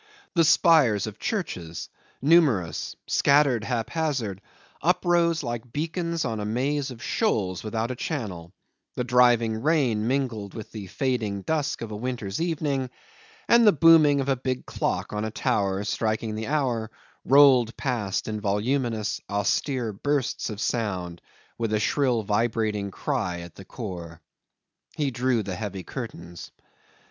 The spires of churches, numerous, scattered haphazard, uprose like beacons on a maze of shoals without a channel; the driving rain mingled with the falling dusk of a winter's evening; and the booming of a big clock on a tower, striking the hour, rolled past in voluminous, austere bursts of sound, with a shrill vibrating cry at the core. He drew the heavy curtains.